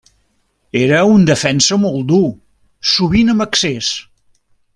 Era un defensa molt dur, sovint amb excés.